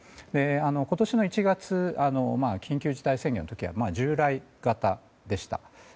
今年の１月、緊急事態宣言の時は従来型でした。